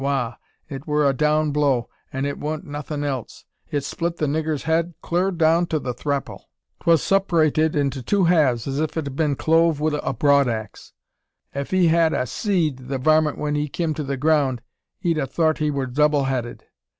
Wagh! it wur a down blow, an' it wa'n't nuthin' else. It split the niggur's head clur down to the thrapple. 'Twus sep'rated into two halves as ef 't had been clove wi' a broad axe! Ef 'ee had 'a seed the varmint when he kim to the ground, 'ee'd 'a thort he wur double headed.